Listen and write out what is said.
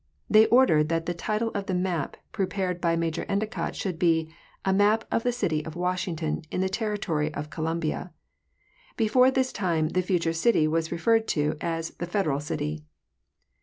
They ordered that the title of the map pre pared by Major Ellicott should be "A map of the city of Wash ington, in the Territory of Columbia." Before this time the future city was referred to as the Federal city.